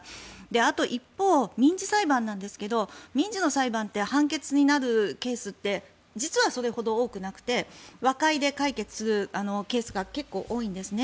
あと、一方民事裁判なんですが民事の裁判って判決になるケースって実はそれほど多くなくて和解で解決するケースが結構多いんですね。